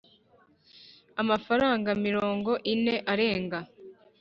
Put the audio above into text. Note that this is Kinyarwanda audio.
'amafaranga mirongo ine arenga,